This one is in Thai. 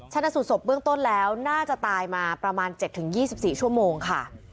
ชนะสูตรศพเบื้องต้นแล้วน่าจะตายมาประมาณ๗๒๔ชั่วโมงค่ะ